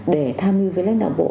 để tham dự với lãnh đạo bộ